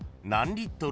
リットル！？